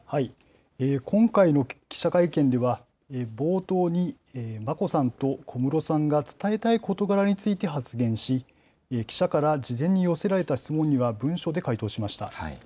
今回の記者会見では、冒頭に眞子さんと小室さんが伝えたい事柄について発言し、記者から事前に寄せられた質問には文書で回答しました。